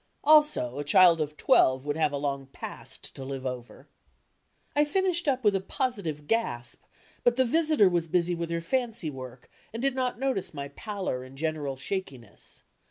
Also, a child of twelve would have a long "past" to live over! I finished up with a positive gasp, but die visitor was busy with her fancy work, and did not notice my pallor and general shakiness.